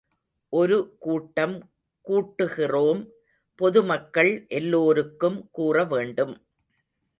ஒரு கூட்டம் கூட்டுகிறோம், பொதுமக்கள் எல்லோருக்கும் கூறவேண்டும்.